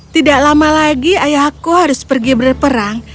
tidak lama lagi ayahku harus pergi berperang